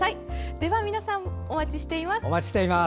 では皆さん、お待ちしています。